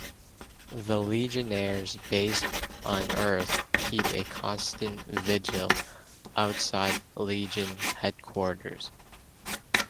The Legionnaires based on Earth keep a constant vigil outside Legion headquarters.